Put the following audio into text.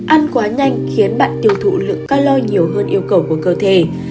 ăn quá nhanh khiến bạn tiêu thụ lượng ca lo nhiều hơn yêu cầu của cơ thể